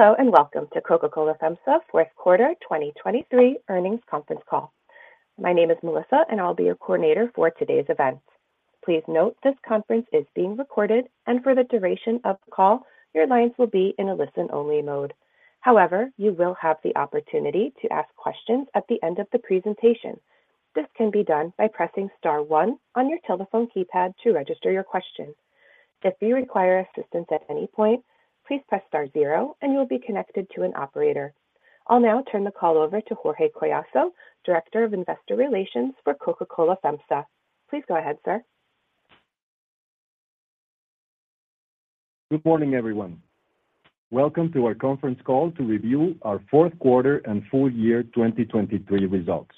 Hello and welcome to Coca-Cola FEMSA fourth quarter 2023 earnings conference call. My name is Melissa, and I'll be your coordinator for today's event. Please note this conference is being recorded, and for the duration of the call, your lines will be in a listen-only mode. However, you will have the opportunity to ask questions at the end of the presentation. This can be done by pressing star one on your telephone keypad to register your question. If you require assistance at any point, please press star 0, and you'll be connected to an operator. I'll now turn the call over to Jorge Collazo, Director of Investor Relations for Coca-Cola FEMSA. Please go ahead, sir. Good morning, everyone. Welcome to our conference call to review our fourth quarter and full year 2023 results.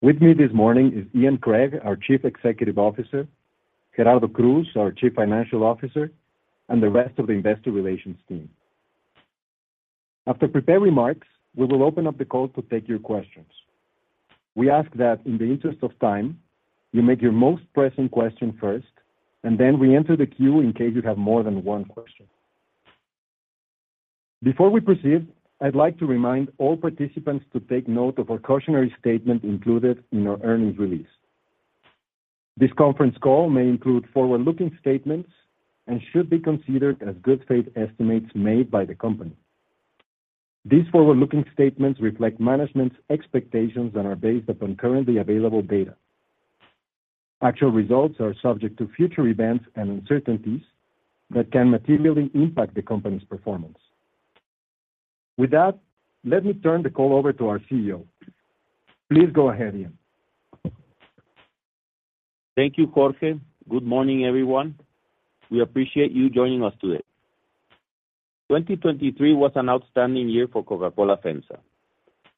With me this morning is Ian Craig, our Chief Executive Officer, Gerardo Cruz, our Chief Financial Officer, and the rest of the Investor Relations team. After prepared remarks, we will open up the call to take your questions. We ask that, in the interest of time, you make your most pressing question first, and then we enter the queue in case you have more than one question. Before we proceed, I'd like to remind all participants to take note of our cautionary statement included in our earnings release. This conference call may include forward-looking statements and should be considered as good faith estimates made by the company. These forward-looking statements reflect management's expectations and are based upon currently available data. Actual results are subject to future events and uncertainties that can materially impact the company's performance. With that, let me turn the call over to our CEO. Please go ahead, Ian. Thank you, Jorge. Good morning, everyone. We appreciate you joining us today. 2023 was an outstanding year for Coca-Cola FEMSA.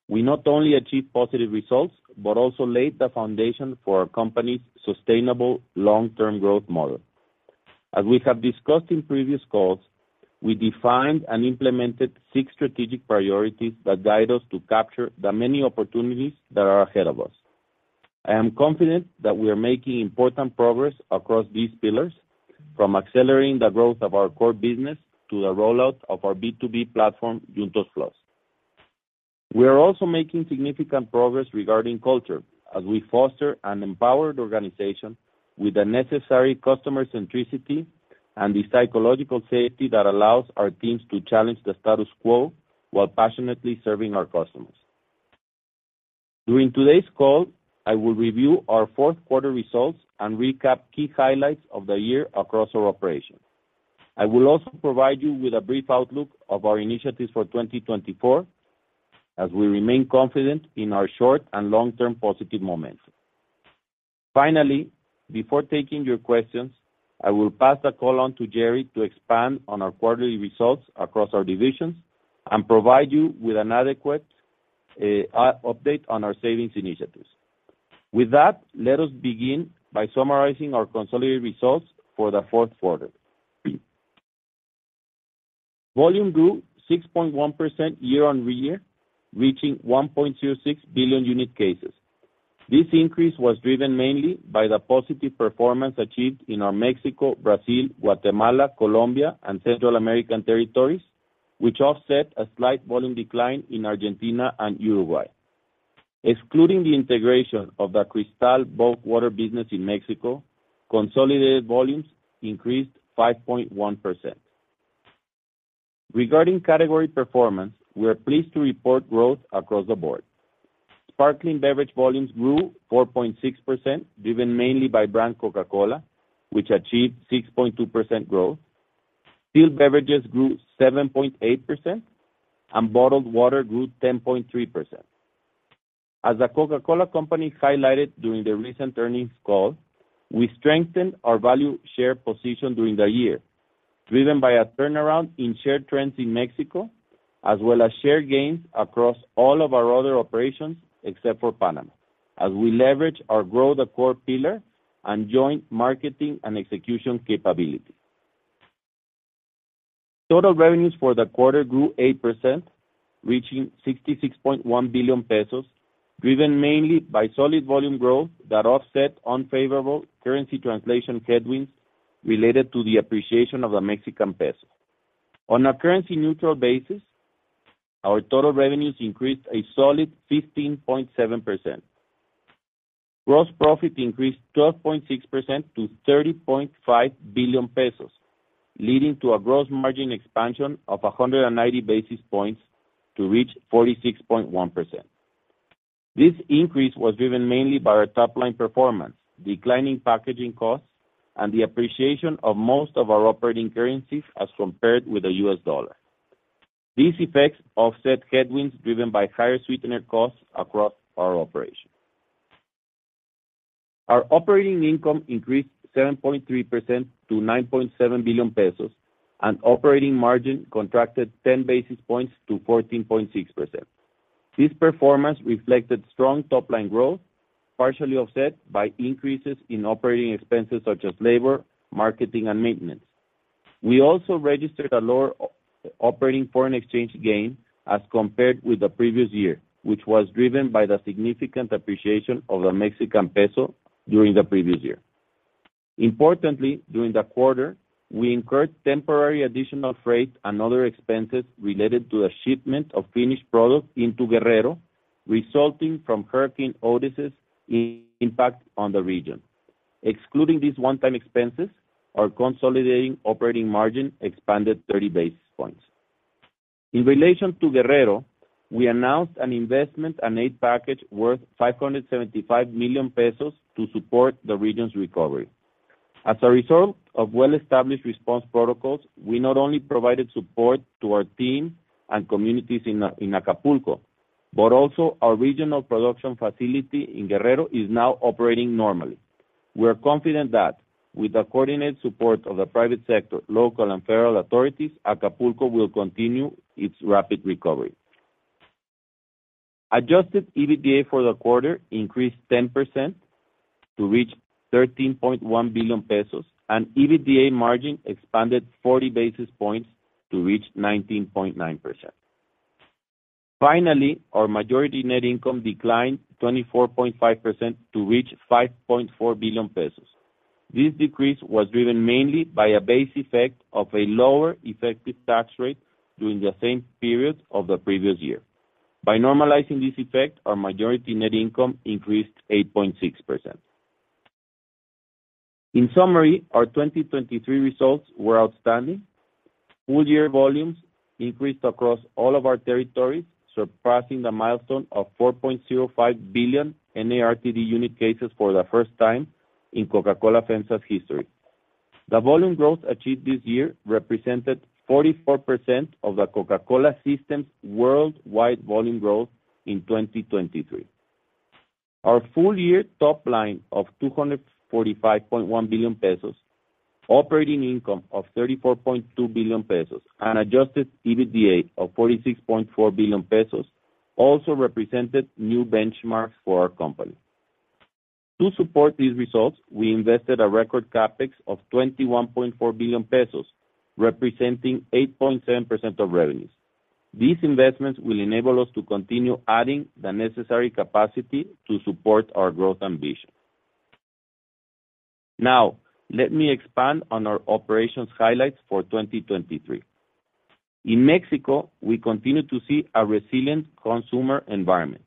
We not only achieved positive results but also laid the foundation for our company's sustainable long-term growth model. As we have discussed in previous calls, we defined and implemented six strategic priorities that guide us to capture the many opportunities that are ahead of us. I am confident that we are making important progress across these pillars, from accelerating the growth of our core business to the rollout of our B2B platform, Juntos+. We are also making significant progress regarding culture, as we foster an empowered organization with the necessary customer centricity and the psychological safety that allows our teams to challenge the status quo while passionately serving our customers. During today's call, I will review our fourth quarter results and recap key highlights of the year across our operation. I will also provide you with a brief outlook of our initiatives for 2024, as we remain confident in our short and long-term positive moments. Finally, before taking your questions, I will pass the call on to Jerry to expand on our quarterly results across our divisions and provide you with an adequate update on our savings initiatives. With that, let us begin by summarizing our consolidated results for the fourth quarter. Volume grew 6.1% year-on-year, reaching 1.06 billion unit cases. This increase was driven mainly by the positive performance achieved in our Mexico, Brazil, Guatemala, Colombia, and Central American territories, which offset a slight volume decline in Argentina and Uruguay. Excluding the integration of the Cristal Bulk Water business in Mexico, consolidated volumes increased 5.1%. Regarding category performance, we are pleased to report growth across the board. Sparkling beverage volumes grew 4.6%, driven mainly by brand Coca-Cola, which achieved 6.2% growth. Still beverages grew 7.8%. Bottled water grew 10.3%. As the Coca-Cola Company highlighted during the recent earnings call, we strengthened our value share position during the year, driven by a turnaround in share trends in Mexico as well as share gains across all of our other operations except for Panama, as we leveraged our growth core pillar and joint marketing and execution capabilities. Total revenues for the quarter grew 8%, reaching 66.1 billion pesos, driven mainly by solid volume growth that offset unfavorable currency translation headwinds related to the appreciation of the Mexican peso. On a currency-neutral basis, our total revenues increased a solid 15.7%. Gross profit increased 12.6% to 30.5 billion pesos, leading to a gross margin expansion of 190 basis points to reach 46.1%. This increase was driven mainly by our top-line performance, declining packaging costs, and the appreciation of most of our operating currencies as compared with the U.S. dollar. These effects offset headwinds driven by higher sweeteners costs across our operations. Our operating income increased 7.3% to 9.7 billion pesos, and operating margin contracted 10 basis points to 14.6%. This performance reflected strong top-line growth, partially offset by increases in operating expenses such as labor, marketing, and maintenance. We also registered a lower operating foreign exchange gain as compared with the previous year, which was driven by the significant appreciation of the Mexican peso during the previous year. Importantly, during the quarter, we incurred temporary additional freight and other expenses related to the shipment of finished product into Guerrero, resulting from Hurricane Otis's impact on the region. Excluding these one-time expenses, our consolidating operating margin expanded 30 basis points. In relation to Guerrero, we announced an investment and aid package worth 575 million pesos to support the region's recovery. As a result of well-established response protocols, we not only provided support to our team and communities in Acapulco, but also our regional production facility in Guerrero is now operating normally. We are confident that, with the coordinated support of the private sector, local, and federal authorities, Acapulco will continue its rapid recovery. Adjusted EBITDA for the quarter increased 10% to reach 13.1 billion pesos, and EBITDA margin expanded 40 basis points to reach 19.9%. Finally, our majority net income declined 24.5% to reach 5.4 billion pesos. This decrease was driven mainly by a base effect of a lower effective tax rate during the same period of the previous year. By normalizing this effect, our majority net income increased 8.6%. In summary, our 2023 results were outstanding. Full-year volumes increased across all of our territories, surpassing the milestone of 4.05 billion NARTD unit cases for the first time in Coca-Cola FEMSA's history. The volume growth achieved this year represented 44% of the Coca-Cola System's worldwide volume growth in 2023. Our full-year top-line of 245.1 billion pesos, operating income of 34.2 billion pesos, and adjusted EBITDA of 46.4 billion pesos also represented new benchmarks for our company. To support these results, we invested a record CapEx of 21.4 billion pesos, representing 8.7% of revenues. These investments will enable us to continue adding the necessary capacity to support our growth ambitions. Now, let me expand on our operations highlights for 2023. In Mexico, we continue to see a resilient consumer environment.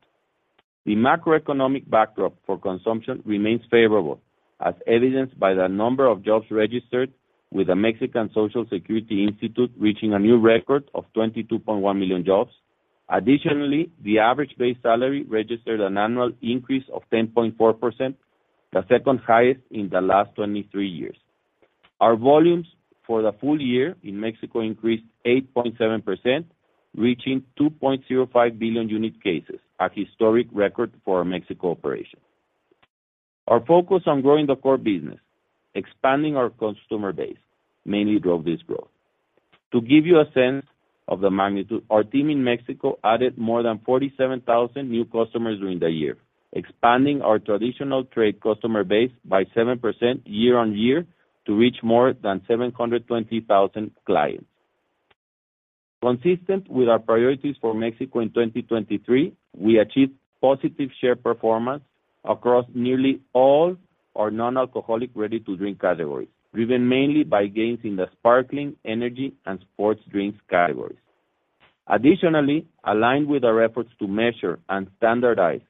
The macroeconomic backdrop for consumption remains favorable, as evidenced by the number of jobs registered, with the Mexican Social Security Institute reaching a new record of 22.1 million jobs. Additionally, the average base salary registered an annual increase of 10.4%, the second highest in the last 23 years. Our volumes for the full year in Mexico increased 8.7%, reaching 2.05 billion unit cases, a historic record for our Mexico operations. Our focus on growing the core business, expanding our consumer base, mainly drove this growth. To give you a sense of the magnitude, our team in Mexico added more than 47,000 new customers during the year, expanding our traditional trade customer base by 7% year-on-year to reach more than 720,000 clients. Consistent with our priorities for Mexico in 2023, we achieved positive share performance across nearly all our non-alcoholic ready-to-drink categories, driven mainly by gains in the sparkling, energy, and sports drinks categories. Additionally, aligned with our efforts to measure and standardize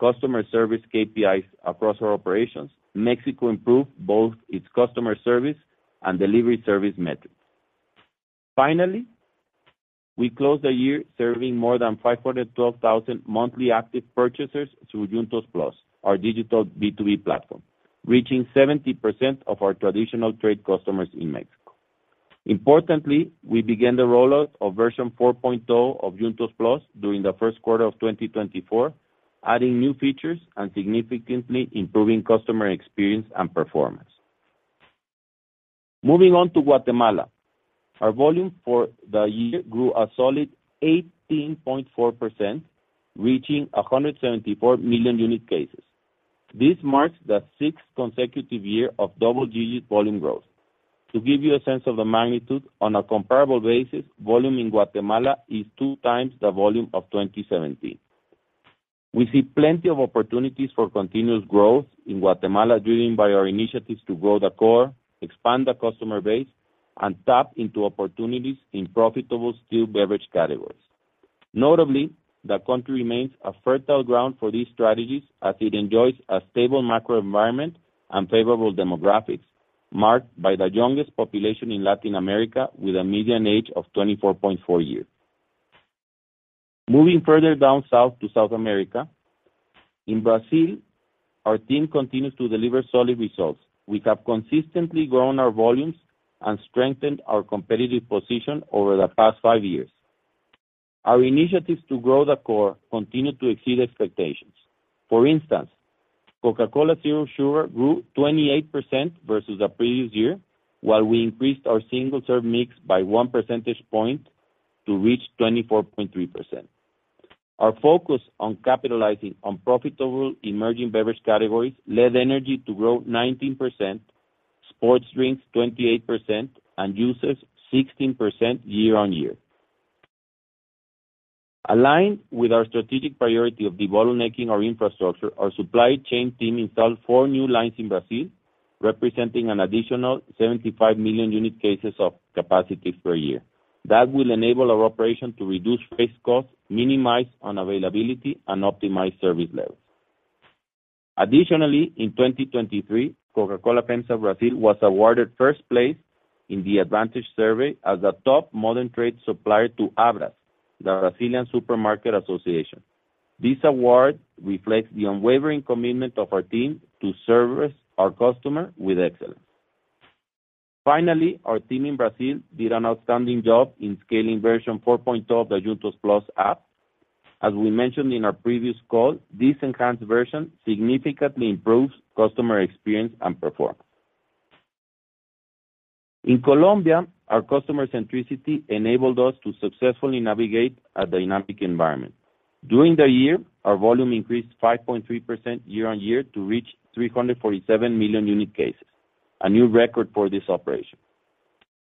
customer service KPIs across our operations, Mexico improved both its customer service and delivery service metrics. Finally, we closed the year serving more than 512,000 monthly active purchasers through Juntos+, our digital B2B platform, reaching 70% of our traditional trade customers in Mexico. Importantly, we began the rollout of version 4.0 of Juntos+ during the first quarter of 2024, adding new features and significantly improving customer experience and performance. Moving on to Guatemala, our volume for the year grew a solid 18.4%, reaching 174 million unit cases. This marks the sixth consecutive year of double-digit volume growth. To give you a sense of the magnitude, on a comparable basis, volume in Guatemala is two times the volume of 2017. We see plenty of opportunities for continuous growth in Guatemala, driven by our initiatives to grow the core, expand the customer base, and tap into opportunities in profitable still beverage categories. Notably, the country remains a fertile ground for these strategies as it enjoys a stable macroenvironment and favorable demographics, marked by the youngest population in Latin America with a median age of 24.4 years. Moving further down south to South America, in Brazil, our team continues to deliver solid results. We have consistently grown our volumes and strengthened our competitive position over the past five years. Our initiatives to grow the core continue to exceed expectations. For instance, Coca-Cola Zero Sugar grew 28% versus the previous year, while we increased our single-serve mix by 1 percentage point to reach 24.3%. Our focus on capitalizing on profitable emerging beverage categories led energy to grow 19%, sports drinks 28%, and juices 16% year-on-year. Aligned with our strategic priority of de-bottlenecking our infrastructure, our supply chain team installed four new lines in Brazil, representing an additional 75 million unit cases of capacity per year. That will enable our operation to reduce freight costs, minimize unavailability, and optimize service levels. Additionally, in 2023, Coca-Cola FEMSA Brazil was awarded first place in the Advantage Survey as the top modern trade supplier to ABRAS, the Brazilian Supermarket Association. This award reflects the unwavering commitment of our team to service our customer with excellence. Finally, our team in Brazil did an outstanding job in scaling version 4.0 of the Juntos+ app. As we mentioned in our previous call, this enhanced version significantly improves customer experience and performance. In Colombia, our customer centricity enabled us to successfully navigate a dynamic environment. During the year, our volume increased 5.3% year-on-year to reach 347 million unit cases, a new record for this operation.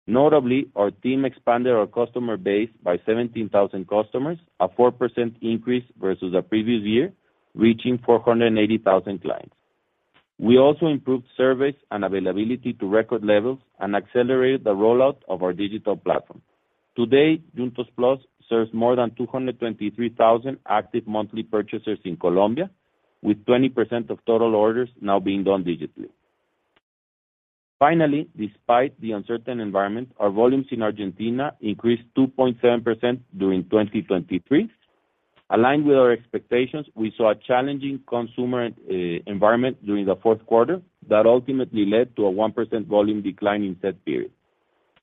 Notably, our team expanded our customer base by 17,000 customers, a 4% increase versus the previous year, reaching 480,000 clients. We also improved service and availability to record levels and accelerated the rollout of our digital platform. Today, Juntos+ serves more than 223,000 active monthly purchasers in Colombia, with 20% of total orders now being done digitally. Finally, despite the uncertain environment, our volumes in Argentina increased 2.7% during 2023. Aligned with our expectations, we saw a challenging consumer environment during the fourth quarter that ultimately led to a 1% volume decline in said period.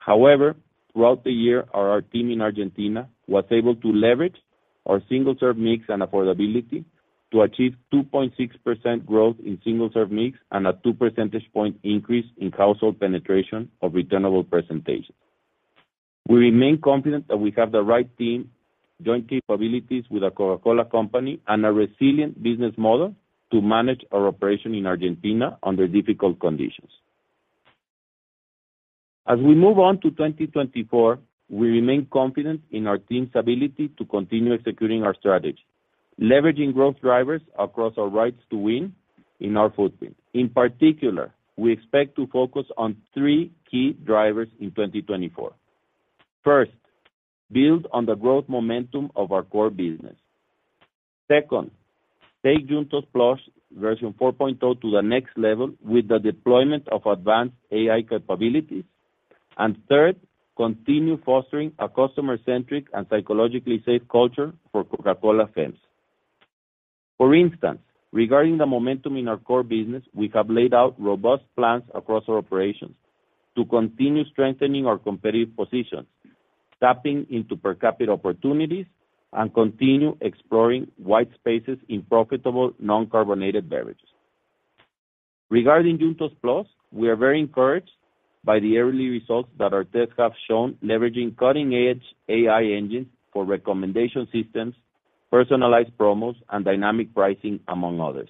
However, throughout the year, our team in Argentina was able to leverage our single-serve mix and affordability to achieve 2.6% growth in single-serve mix and a 2 percentage point increase in household penetration of returnable presentations. We remain confident that we have the right team, joint capabilities with the Coca-Cola Company, and a resilient business model to manage our operation in Argentina under difficult conditions. As we move on to 2024, we remain confident in our team's ability to continue executing our strategy, leveraging growth drivers across our rights to win in our footprint. In particular, we expect to focus on three key drivers in 2024. First, build on the growth momentum of our core business. Second, take Juntos+ version 4.0 to the next level with the deployment of advanced AI capabilities. And third, continue fostering a customer-centric and psychologically safe culture for Coca-Cola FEMSA. For instance, regarding the momentum in our core business, we have laid out robust plans across our operations to continue strengthening our competitive positions, tapping into per capita opportunities, and continue exploring white spaces in profitable non-carbonated beverages. Regarding Juntos+, we are very encouraged by the early results that our tests have shown, leveraging cutting-edge AI engines for recommendation systems, personalized promos, and dynamic pricing, among others.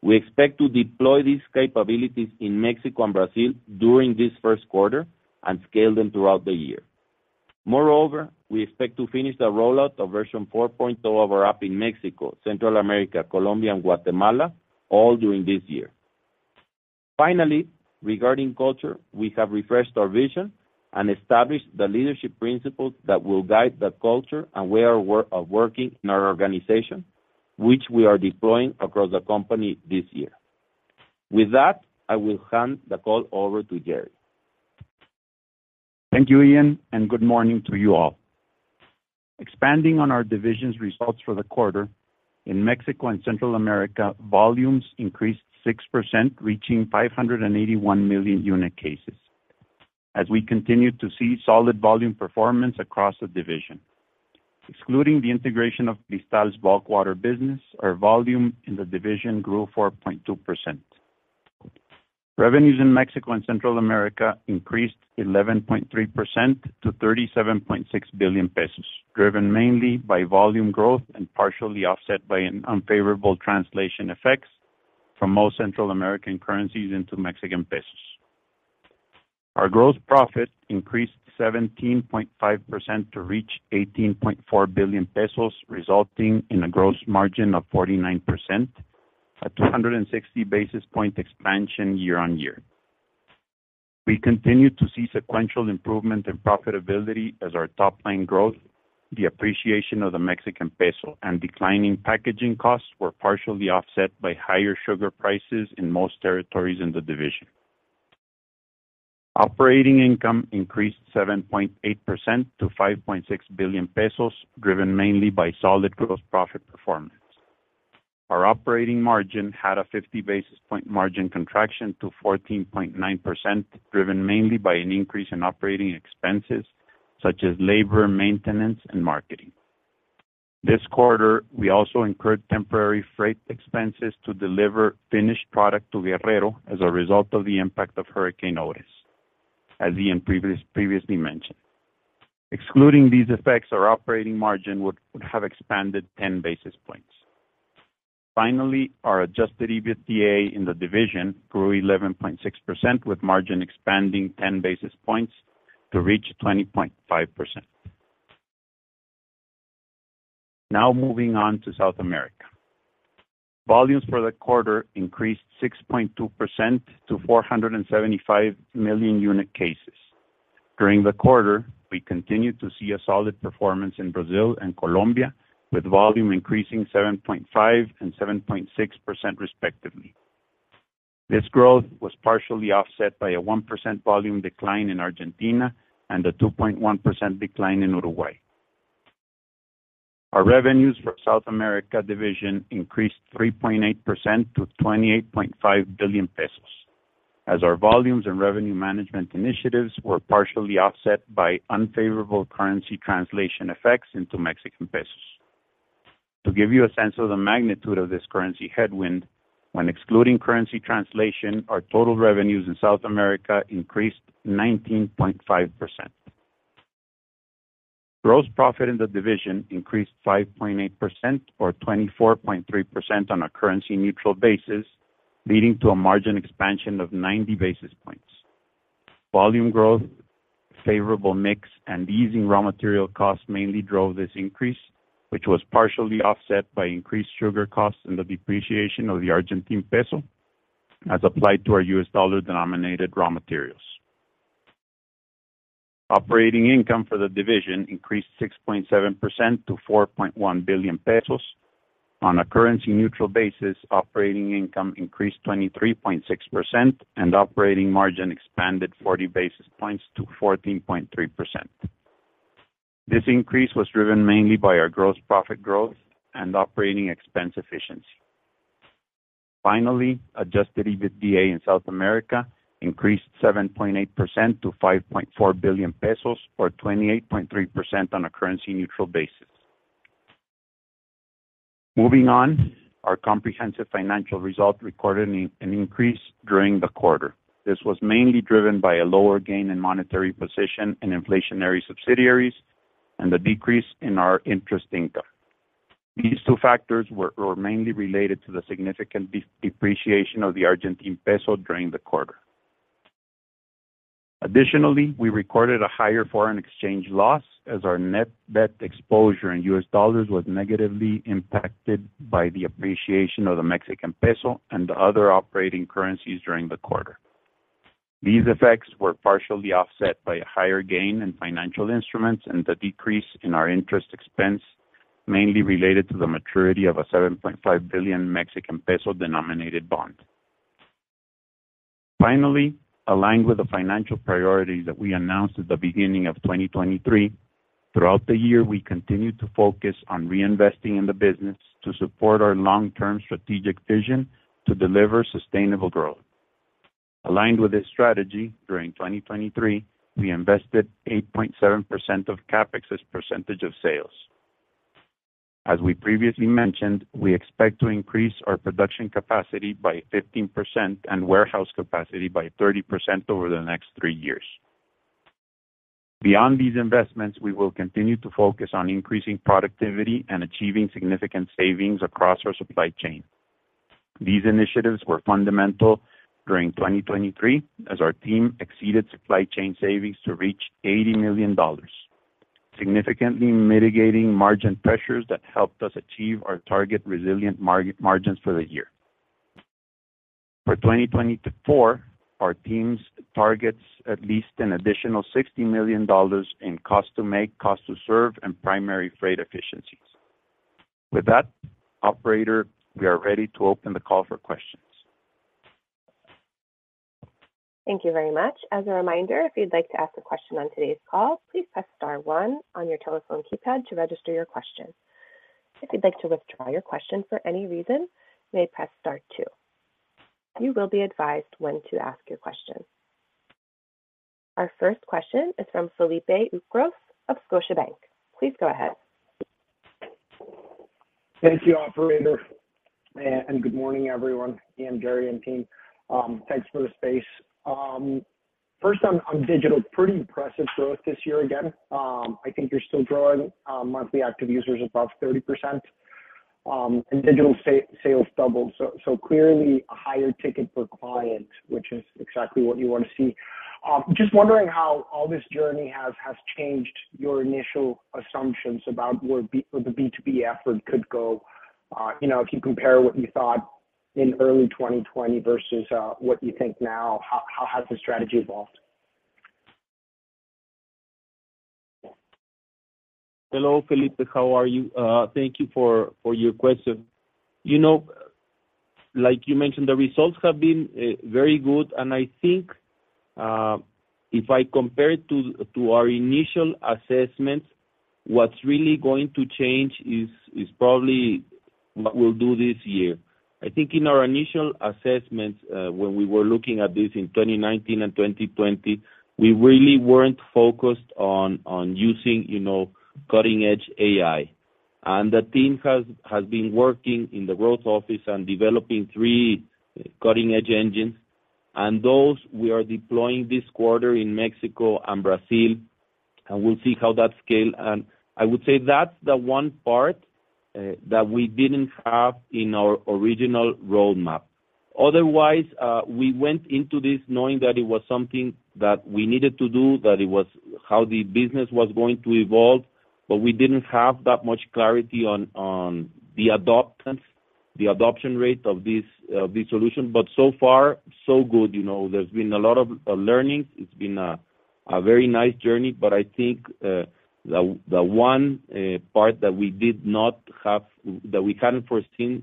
We expect to deploy these capabilities in Mexico and Brazil during this first quarter and scale them throughout the year. Moreover, we expect to finish the rollout of version 4.0 of our app in Mexico, Central America, Colombia, and Guatemala, all during this year. Finally, regarding culture, we have refreshed our vision and established the leadership principles that will guide the culture and way of working in our organization, which we are deploying across the company this year. With that, I will hand the call over to Jerry. Thank you, Ian, and good morning to you all. Expanding on our division's results for the quarter, in Mexico and Central America, volumes increased 6%, reaching 581 million unit cases, as we continue to see solid volume performance across the division. Excluding the integration of Cristal Bulk water business, our volume in the division grew 4.2%. Revenues in Mexico and Central America increased 11.3% to 37.6 billion pesos, driven mainly by volume growth and partially offset by unfavorable translation effects from most Central American currencies into Mexican pesos. Our gross profit increased 17.5% to reach 18.4 billion pesos, resulting in a gross margin of 49%, a 260 basis point expansion year-on-year. We continue to see sequential improvement in profitability as our top-line growth, the appreciation of the Mexican peso, and declining packaging costs were partially offset by higher sugar prices in most territories in the division. Operating income increased 7.8% to 5.6 billion pesos, driven mainly by solid gross profit performance. Our operating margin had a 50 basis point margin contraction to 14.9%, driven mainly by an increase in operating expenses such as labor, maintenance, and marketing. This quarter, we also incurred temporary freight expenses to deliver finished product to Guerrero as a result of the impact of Hurricane Otis, as Ian previously mentioned. Excluding these effects, our operating margin would have expanded 10 basis points. Finally, our Adjusted EBITDA in the division grew 11.6%, with margin expanding 10 basis points to reach 20.5%. Now moving on to South America. Volumes for the quarter increased 6.2% to 475 million unit cases. During the quarter, we continue to see a solid performance in Brazil and Colombia, with volume increasing 7.5% and 7.6% respectively. This growth was partially offset by a 1% volume decline in Argentina and a 2.1% decline in Uruguay. Our revenues for South America division increased 3.8% to 28.5 billion pesos, as our volumes and revenue management initiatives were partially offset by unfavorable currency translation effects into Mexican pesos. To give you a sense of the magnitude of this currency headwind, when excluding currency translation, our total revenues in South America increased 19.5%. Gross profit in the division increased 5.8% or 24.3% on a currency-neutral basis, leading to a margin expansion of 90 basis points. Volume growth, favorable mix, and easing raw material costs mainly drove this increase, which was partially offset by increased sugar costs and the depreciation of the Argentine peso as applied to our US dollar-denominated raw materials. Operating income for the division increased 6.7% to 4.1 billion pesos. On a currency-neutral basis, operating income increased 23.6%, and operating margin expanded 40 basis points to 14.3%. This increase was driven mainly by our gross profit growth and operating expense efficiency. Finally, Adjusted EBITDA in South America increased 7.8% to 5.4 billion pesos or 28.3% on a currency-neutral basis. Moving on, our comprehensive financial result recorded an increase during the quarter. This was mainly driven by a lower gain in monetary position in inflationary subsidiaries and the decrease in our interest income. These two factors were mainly related to the significant depreciation of the Argentine peso during the quarter. Additionally, we recorded a higher foreign exchange loss as our net debt exposure in U.S. dollars was negatively impacted by the appreciation of the Mexican peso and the other operating currencies during the quarter. These effects were partially offset by a higher gain in financial instruments and the decrease in our interest expense, mainly related to the maturity of a 7.5 billion Mexican peso-denominated bond. Finally, aligned with the financial priorities that we announced at the beginning of 2023, throughout the year, we continue to focus on reinvesting in the business to support our long-term strategic vision to deliver sustainable growth. Aligned with this strategy, during 2023, we invested 8.7% of CapEx as percentage of sales. As we previously mentioned, we expect to increase our production capacity by 15% and warehouse capacity by 30% over the next three years. Beyond these investments, we will continue to focus on increasing productivity and achieving significant savings across our supply chain. These initiatives were fundamental during 2023 as our team exceeded supply chain savings to reach $80 million, significantly mitigating margin pressures that helped us achieve our target resilient margins for the year. For 2024, our team targets at least an additional $60 million in cost-to-make, cost-to-serve, and primary freight efficiencies. With that, operator, we are ready to open the call for questions. Thank you very much. As a reminder, if you'd like to ask a question on today's call, please press star one on your telephone keypad to register your question. If you'd like to withdraw your question for any reason, you may press star two. You will be advised when to ask your question. Our first question is from Felipe Ucros of Scotiabank. Please go ahead. Thank you, operator. Good morning, everyone, Ian, Jerry, and team. Thanks for the space. First, on digital, pretty impressive growth this year again. I think you're still growing monthly active users above 30%. Digital sales doubled. So clearly, a higher ticket per client, which is exactly what you want to see. Just wondering how all this journey has changed your initial assumptions about where the B2B effort could go. If you compare what you thought in early 2020 versus what you think now, how has the strategy evolved? Hello, Felipe. How are you? Thank you for your question. Like you mentioned, the results have been very good. I think if I compare it to our initial assessments, what's really going to change is probably what we'll do this year. I think in our initial assessments, when we were looking at this in 2019 and 2020, we really weren't focused on using cutting-edge AI. The team has been working in the growth office and developing three cutting-edge engines. Those we are deploying this quarter in Mexico and Brazil. We'll see how that scales. I would say that's the one part that we didn't have in our original roadmap. Otherwise, we went into this knowing that it was something that we needed to do, that it was how the business was going to evolve. We didn't have that much clarity on the adoption rate of this solution. So far, so good. There's been a lot of learnings. It's been a very nice journey. But I think the one part that we did not have that we hadn't foreseen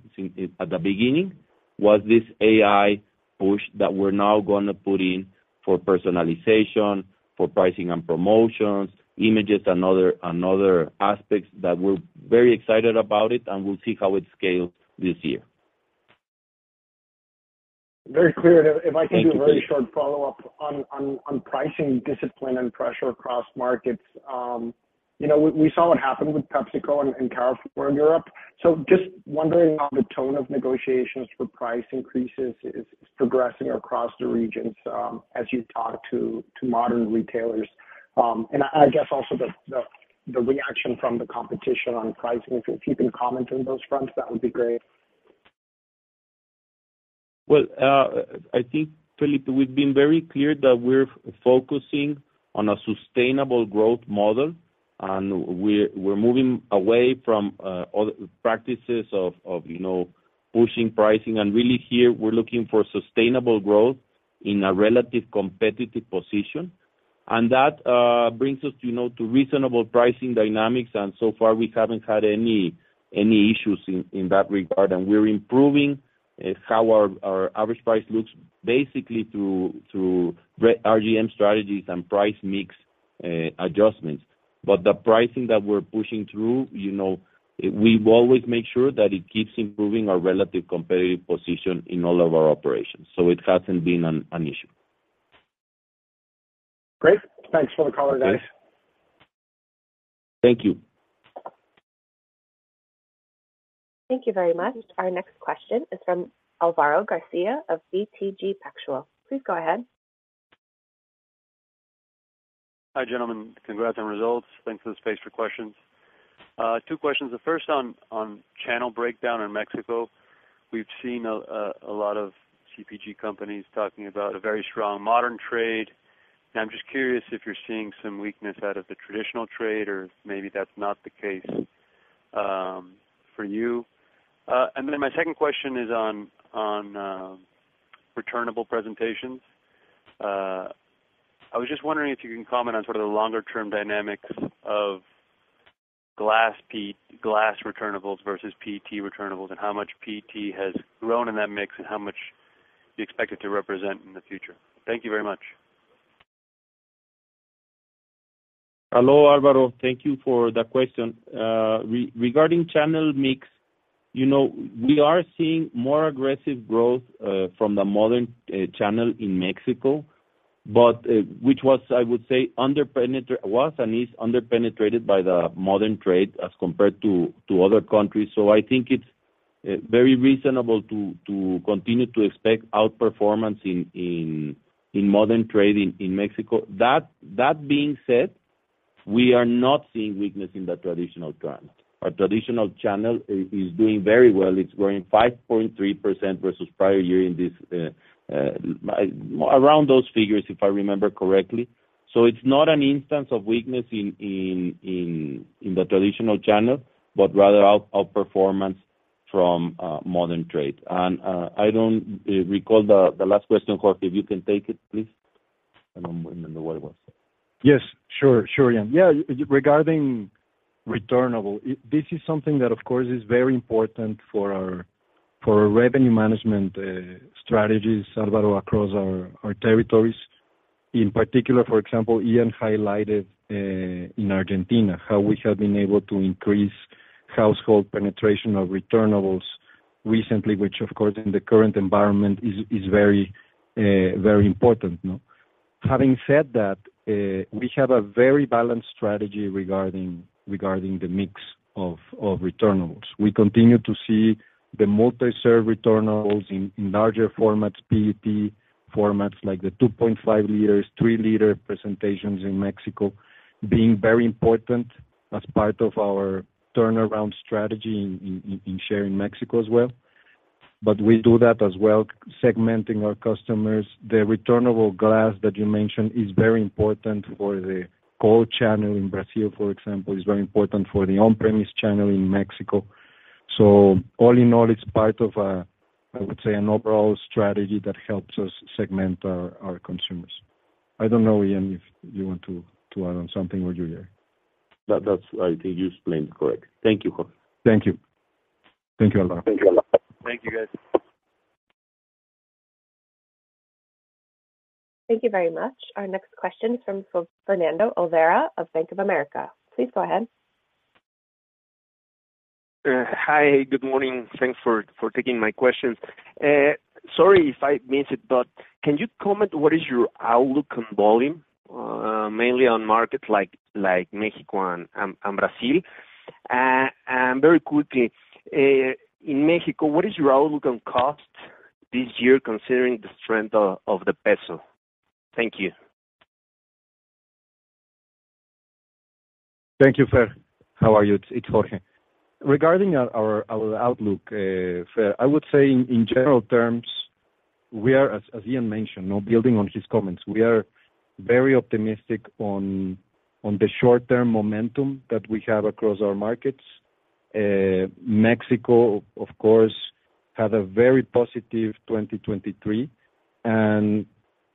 at the beginning was this AI push that we're now going to put in for personalization, for pricing and promotions, images, and other aspects. We're very excited about it. And we'll see how it scales this year. Very clear. And if I can do a very short follow-up on pricing discipline and pressure across markets, we saw what happened with PepsiCo and Carrefour in Europe. So just wondering how the tone of negotiations for price increases is progressing across the regions as you talk to modern retailers. And I guess also the reaction from the competition on pricing. If you can comment on those fronts, that would be great. Well, I think, Felipe, we've been very clear that we're focusing on a sustainable growth model. And we're moving away from practices of pushing pricing. And really, here, we're looking for sustainable growth in a relatively competitive position. And that brings us to reasonable pricing dynamics. And so far, we haven't had any issues in that regard. And we're improving how our average price looks basically through RGM strategies and price mix adjustments. But the pricing that we're pushing through, we always make sure that it keeps improving our relatively competitive position in all of our operations. So it hasn't been an issue. Great. Thanks for the call, guys. Thank you. Thank you very much. Our next question is from Álvaro García of BTG Pactual. Please go ahead. Hi, gentlemen. Congrats on results. Thanks for the space for questions. Two questions. The first, on channel breakdown in Mexico, we've seen a lot of CPG companies talking about a very strong modern trade. I'm just curious if you're seeing some weakness out of the traditional trade or maybe that's not the case for you. My second question is on returnable presentations. I was just wondering if you can comment on sort of the longer-term dynamics of glass returnables versus PET returnables and how much PET has grown in that mix and how much you expect it to represent in the future. Thank you very much. Hello, Álvaro. Thank you for the question. Regarding channel mix, we are seeing more aggressive growth from the modern channel in Mexico, which was, I would say, under-penetrated and is under-penetrated by the modern trade as compared to other countries. So I think it's very reasonable to continue to expect outperformance in modern trade in Mexico. That being said, we are not seeing weakness in the traditional channel. Our traditional channel is doing very well. It's growing 5.3% versus prior year in around those figures, if I remember correctly. So it's not an instance of weakness in the traditional channel, but rather outperformance from modern trade. And I don't recall the last question, Jorge. If you can take it, please. I don't remember what it was. Yes. Sure, Ian. Yeah. Regarding returnable, this is something that, of course, is very important for our revenue management strategies, Alvaro, across our territories. In particular, for example, Ian highlighted in Argentina how we have been able to increase household penetration of returnables recently, which, of course, in the current environment is very important. Having said that, we have a very balanced strategy regarding the mix of returnables. We continue to see the multi-serve returnables in larger formats, PET formats like the 2.5 L, 3 L presentations in Mexico being very important as part of our turnaround strategy in share in Mexico as well. But we do that as well, segmenting our customers. The returnable glass that you mentioned is very important for the cold channel in Brazil, for example. It's very important for the on-premise channel in Mexico. So all in all, it's part of, I would say, an overall strategy that helps us segment our consumers. I don't know, Ian, if you want to add on something or you're here. I think you explained it correct. Thank you, Jorge. Thank you. Thank you, Álvaro. Thank you, Álvaro. Thank you, guys. Thank you very much. Our next question is from Fernando Olvera of Bank of America. Please go ahead. Hi. Good morning. Thanks for taking my questions. Sorry if I missed it, but can you comment what is your outlook on volume, mainly on markets like Mexico and Brazil? And very quickly, in Mexico, what is your outlook on cost this year considering the strength of the peso? Thank you. Thank you, Fer. How are you? It's Jorge. Regarding our outlook, Fer, I would say in general terms, we are, as Ian mentioned, building on his comments. We are very optimistic on the short-term momentum that we have across our markets. Mexico, of course, had a very positive 2023 and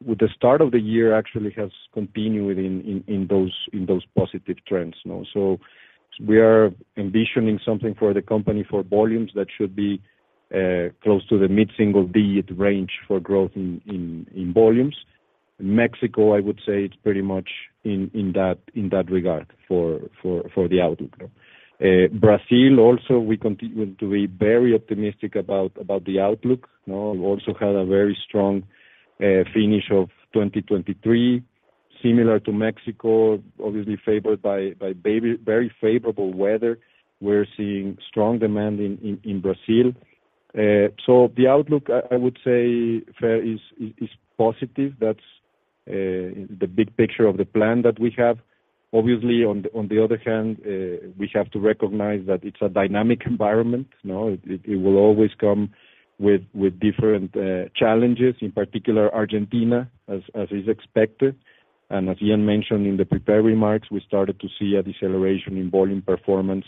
with the start of the year, actually, has continued in those positive trends. So we are envisioning something for the company for volumes that should be close to the mid-single-digit range for growth in volumes. Mexico, I would say, it's pretty much in that regard for the outlook. Brazil also, we continue to be very optimistic about the outlook. We also had a very strong finish of 2023, similar to Mexico, obviously favored by very favorable weather. We're seeing strong demand in Brazil. So the outlook, I would say, Fer, is positive. That's the big picture of the plan that we have. Obviously, on the other hand, we have to recognize that it's a dynamic environment. It will always come with different challenges, in particular, Argentina as is expected. And as Ian mentioned in the prepared remarks, we started to see a deceleration in volume performance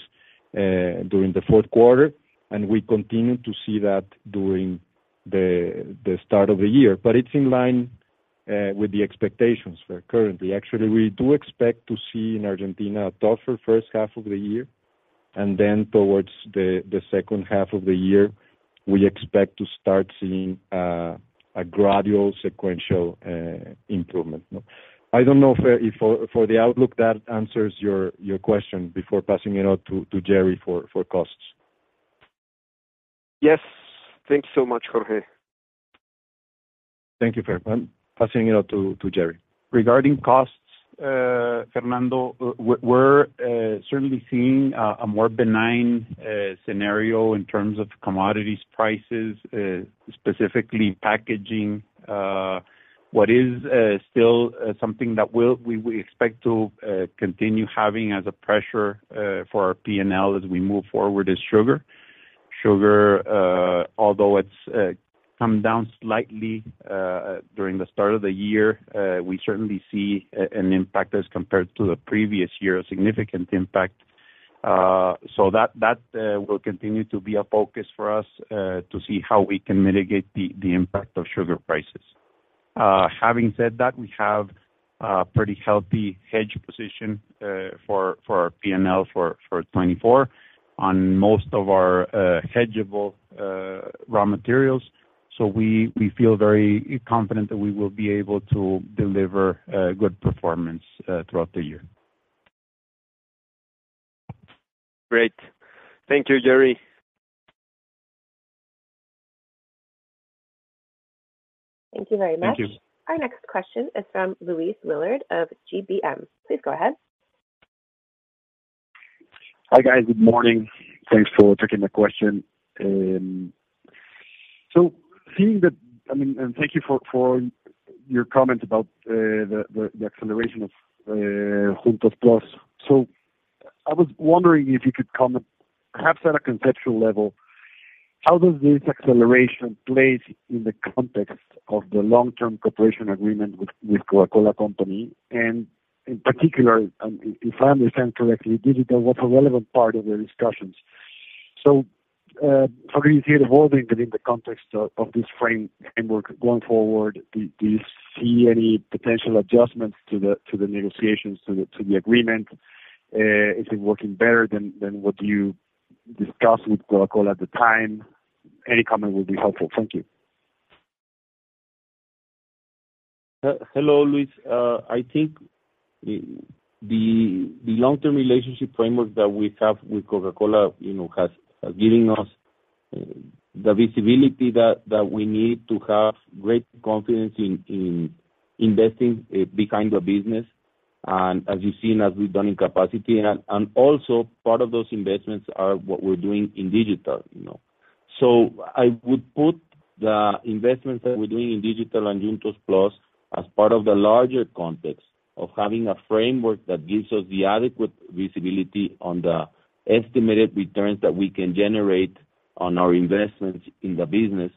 during the fourth quarter. And we continue to see that during the start of the year. But it's in line with the expectations, Fer, currently. Actually, we do expect to see in Argentina a tougher first half of the year. And then towards the second half of the year, we expect to start seeing a gradual, sequential improvement. I don't know, Fer, if for the outlook, that answers your question before passing it on to Jerry for costs. Yes. Thanks so much, Jorge. Thank you, Fer. I'm passing it on to Jerry. Regarding costs, Fernando, we're certainly seeing a more benign scenario in terms of commodities prices, specifically packaging. What is still something that we expect to continue having as a pressure for our P&L as we move forward is sugar. Sugar, although it's come down slightly during the start of the year, we certainly see an impact as compared to the previous year, a significant impact. So that will continue to be a focus for us to see how we can mitigate the impact of sugar prices. Having said that, we have a pretty healthy hedge position for our P&L for 2024 on most of our hedgeable raw materials. So we feel very confident that we will be able to deliver good performance throughout the year. Great. Thank you, Jerry. Thank you very much. Thank you. Our next question isfrom Luis Willard of GBM. Please go ahead. Hi, guys. Good morning. Thanks for taking the question. So seeing that I mean, and thank you for your comment about the acceleration of Juntos+. So I was wondering if you could comment, perhaps at a conceptual level, how does this acceleration place in the context of the long-term cooperation agreement with Coca-Cola Company? And in particular, if I understand correctly, Digital was a relevant part of the discussions. So Jorge, you see it evolving, but in the context of this framework going forward, do you see any potential adjustments to the negotiations, to the agreement? Is it working better than what you discussed with Coca-Cola at the time? Any comment would be helpful. Thank you. Hello, Luis. I think the long-term relationship framework that we have with Coca-Cola has given us the visibility that we need to have great confidence in investing behind a business and as you've seen, as we've done in capacity. And also, part of those investments are what we're doing in digital. So I would put the investments that we're doing in digital and Juntos+ as part of the larger context of having a framework that gives us the adequate visibility on the estimated returns that we can generate on our investments in the business.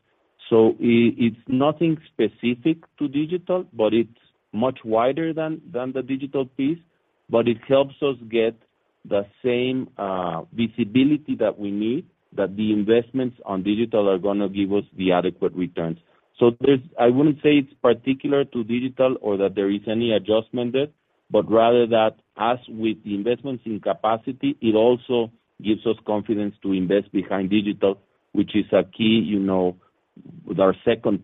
So it's nothing specific to digital, but it's much wider than the digital piece. But it helps us get the same visibility that we need, that the investments on digital are going to give us the adequate returns. So I wouldn't say it's particular to digital or that there is any adjustment there. But rather that, as with the investments in capacity, it also gives us confidence to invest behind digital, which is a key with our second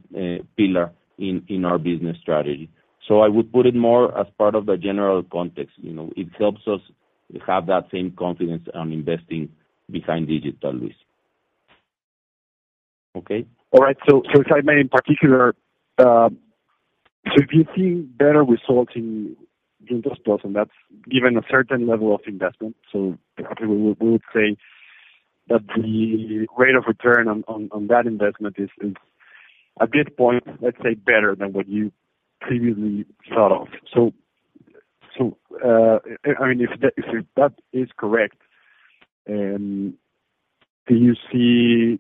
pillar in our business strategy. So I would put it more as part of the general context. It helps us have that same confidence on investing behind digital, Luis. Okay? All right. So if I may, in particular, so if you've seen better results in Juntos+ and that's given a certain level of investment, so we would say that the rate of return on that investment is, at this point, let's say, better than what you previously thought of. So I mean, if that is correct, do you see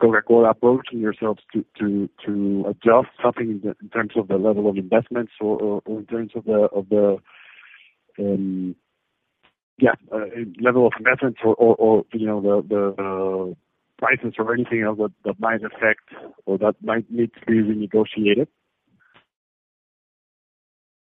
Coca-Cola approaching yourselves to adjust something in terms of the level of investments or in terms of the yeah, level of investments or the prices or anything else that might affect or that might need to be renegotiated?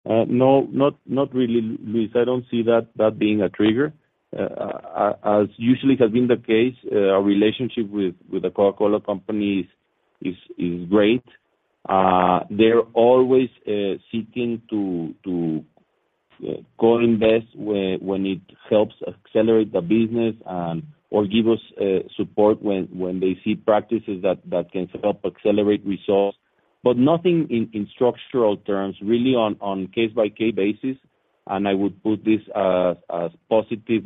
No, not really, Luis. I don't see that being a trigger. As usually has been the case, our relationship with the Coca-Cola Company is great. They're always seeking to co-invest when it helps accelerate the business or give us support when they see practices that can help accelerate results. Nothing in structural terms, really on case-by-case basis. I would put this as positive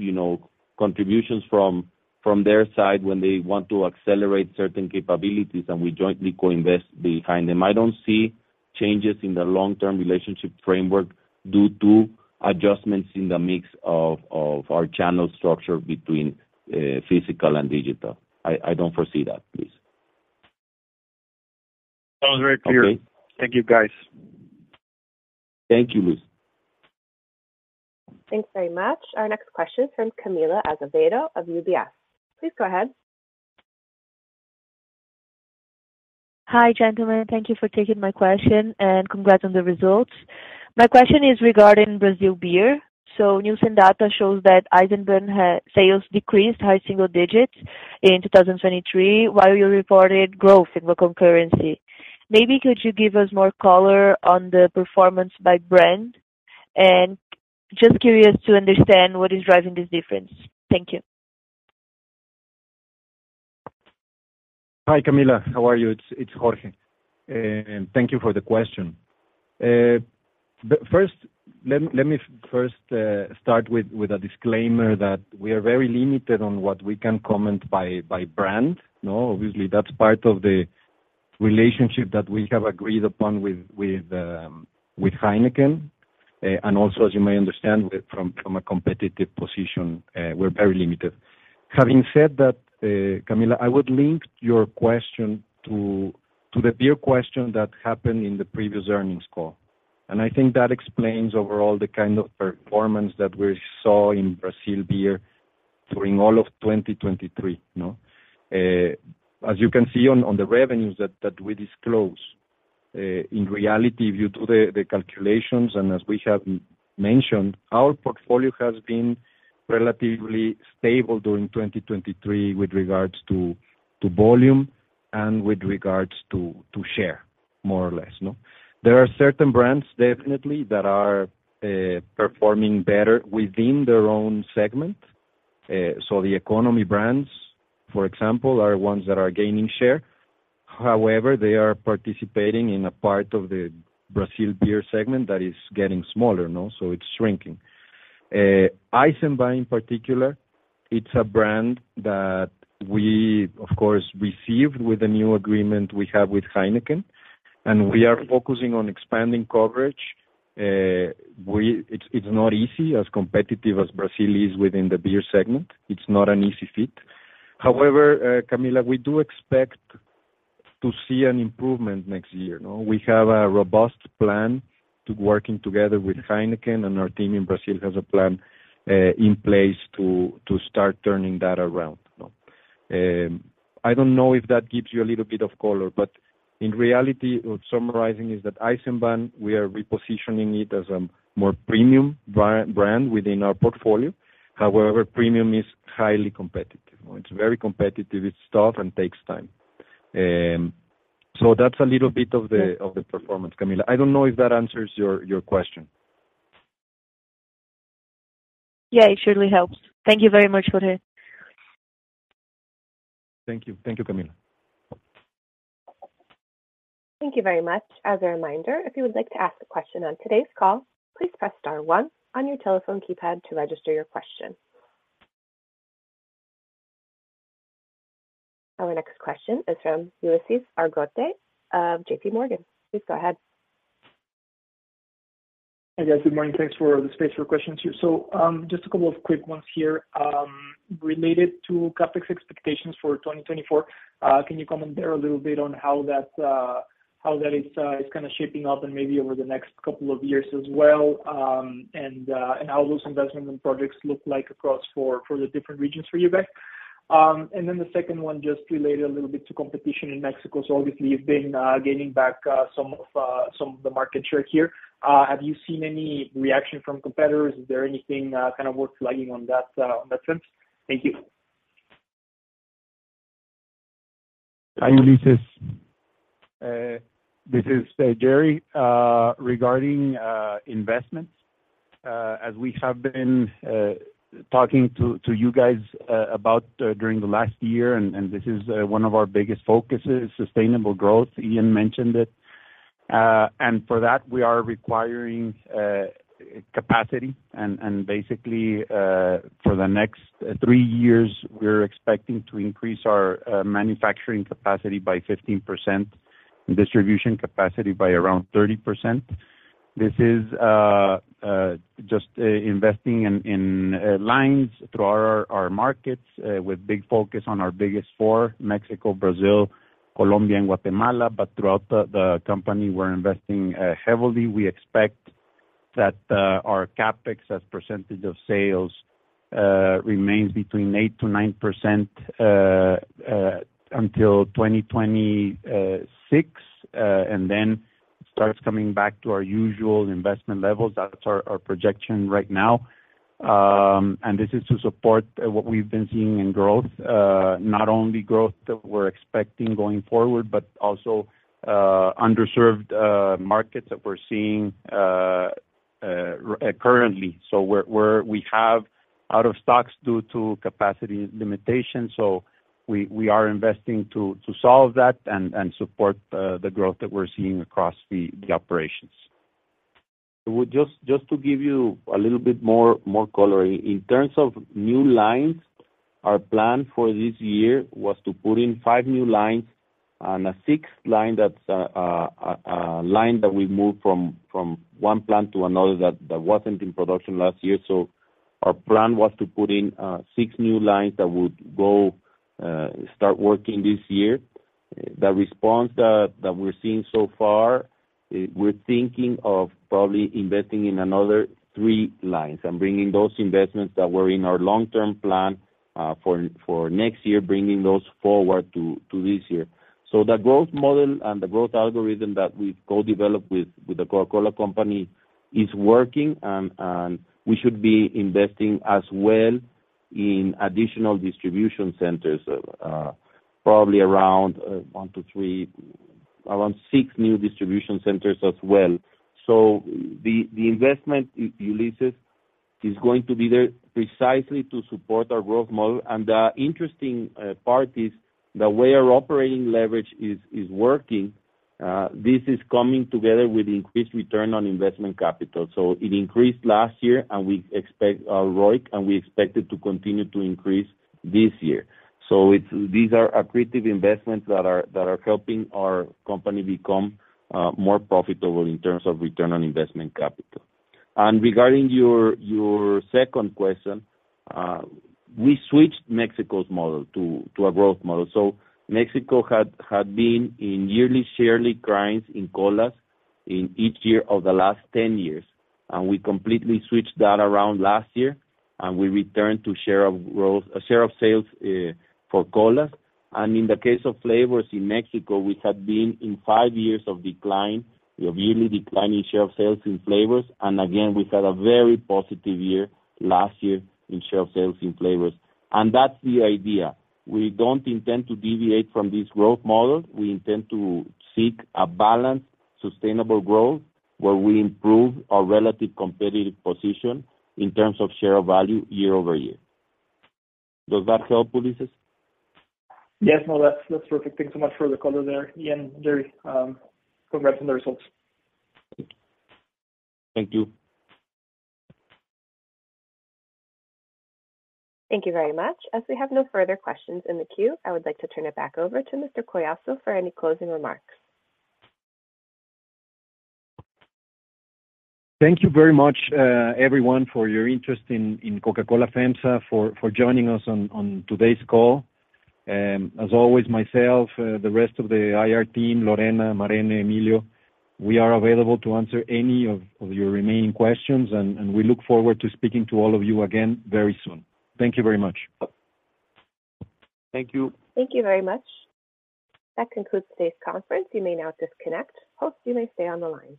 contributions from their side when they want to accelerate certain capabilities and we jointly co-invest behind them. I don't see changes in the long-term relationship framework due to adjustments in the mix of our channel structure between physical and digital. I don't foresee that, Luis. Sounds very clear. Thank you, guys. Thank you, Luis. Thanks very much. Our next question is from Camila Azevedo of UBS. Please go ahead. Hi, gentlemen. Thank you for taking my question and congrats on the results. My question is regarding Brazil beer. So news and data shows that Eisenbahn sales decreased high single digits in 2023 while you reported growth in local currency. Maybe could you give us more color on the performance by brand? And just curious to understand what is driving this difference. Thank you. Hi, Camila. How are you? It's Jorge. Thank you for the question. First, let me start with a disclaimer that we are very limited on what we can comment by brand. Obviously, that's part of the relationship that we have agreed upon with Heineken. And also, as you may understand, from a competitive position, we're very limited. Having said that, Camila, I would link your question to the beer question that happened in the previous earnings call. And I think that explains overall the kind of performance that we saw in Brazil beer during all of 2023. As you can see on the revenues that we disclose, in reality, if you do the calculations and as we have mentioned, our portfolio has been relatively stable during 2023 with regards to volume and with regards to share, more or less. There are certain brands, definitely, that are performing better within their own segment. So the economy brands, for example, are ones that are gaining share. However, they are participating in a part of the Brazil beer segment that is getting smaller. So it's shrinking. Eisenbahn, in particular, it's a brand that we, of course, received with the new agreement we have with Heineken. And we are focusing on expanding coverage. It's not easy as competitive as Brazil is within the beer segment. It's not an easy fit. However, Camila, we do expect to see an improvement next year. We have a robust plan to working together with Heineken. And our team in Brazil has a plan in place to start turning that around. I don't know if that gives you a little bit of color, but in reality, summarizing is that Eisenbahn, we are repositioning it as a more premium brand within our portfolio. However, premium is highly competitive. It's very competitive. It's tough and takes time. So that's a little bit of the performance, Camila. I don't know if that answers your question. Yeah, it surely helps. Thank you very much, Jorge. Thank you. Thank you, Camila. Thank you very much. As a reminder, if you would like to ask a question on today's call, please press star 1 on your telephone keypad to register your question. Our next question is from Ulises Argote of JPMorgan. Please go ahead. Hey, guys. Good morning. Thanks for the space for questions here. So just a couple of quick ones here. Related to CapEx expectations for 2024, can you comment there a little bit on how that is kind of shaping up and maybe over the next couple of years as well and how those investments and projects look like across for the different regions for you guys? And then the second one, just related a little bit to competition in Mexico. So obviously, you've been gaining back some of the market share here. Have you seen any reaction from competitors? Is there anything kind of worth flagging on that sense? Thank you. Hi, Ulises. This is Jerry regarding investments. As we have been talking to you guys about during the last year, and this is one of our biggest focuses, sustainable growth, Ian mentioned it. And for that, we are requiring capacity. Basically, for the next three years, we're expecting to increase our manufacturing capacity by 15% and distribution capacity by around 30%. This is just investing in lines throughout our markets with big focus on our biggest four: Mexico, Brazil, Colombia, and Guatemala. But throughout the company, we're investing heavily. We expect that our CapEx as percentage of sales remains between 8%-9% until 2026 and then starts coming back to our usual investment levels. That's our projection right now. And this is to support what we've been seeing in growth, not only growth that we're expecting going forward, but also underserved markets that we're seeing currently. So we have out of stocks due to capacity limitations. So we are investing to solve that and support the growth that we're seeing across the operations. Just to give you a little bit more color, in terms of new lines, our plan for this year was to put in five new lines and a sixth line that's a line that we moved from one plant to another that wasn't in production last year. So our plan was to put in six new lines that would start working this year. The response that we're seeing so far, we're thinking of probably investing in another three lines and bringing those investments that were in our long-term plan for next year, bringing those forward to this year. So the growth model and the growth algorithm that we've co-developed with the Coca-Cola Company is working. And we should be investing as well in additional distribution centers, probably around one to three around six new distribution centers as well. So the investment, Ulises, is going to be there precisely to support our growth model. And the interesting part is the way our operating leverage is working; this is coming together with increased return on investment capital. So it increased last year, and we expect ROIC, and we expect it to continue to increase this year. So these are accretive investments that are helping our company become more profitable in terms of return on investment capital. And regarding your second question, we switched Mexico's model to a growth model. So Mexico had been in yearly share declines in colas each year of the last 10 years. And we completely switched that around last year. And we returned to share gains for colas. And in the case of flavors in Mexico, we had been in five years of yearly declining share of sales in flavors. And again, we had a very positive year last year in share of sales in flavors. And that's the idea. We don't intend to deviate from this growth model. We intend to seek a balanced sustainable growth where we improve our relative competitive position in terms of share of value year-over-year. Does that help, Ulises? Yes. No, that's perfect. Thanks so much for the color there, Ian and Jerry. Congrats on the results. Thank you. Thank you very much. As we have no further questions in the queue, I would like to turn it back over to Mr Collazo for any closing remarks. Thank you very much, everyone, for your interest in Coca-Cola FEMSA, for joining us on today's call. As always, myself, the rest of the IR team, Lorena, Marene, Emilio, we are available to answer any of your remaining questions. We look forward to speaking to all of you again very soon. Thank you very much. Thank you. Thank you very much. That concludes today's conference. You may now disconnect. Hope you may stay on the line.